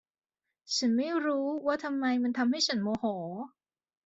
ฉันไม่รู้ว่าทำไมมันทำให้ฉันโมโห